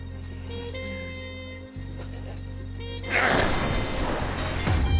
あっ。